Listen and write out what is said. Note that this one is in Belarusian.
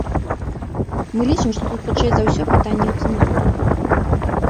Мы лічым, што тут хутчэй за ўсё пытанне ў цэнзуры.